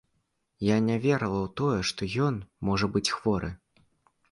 Я не верыла ў тое, што ён можа быць хворы.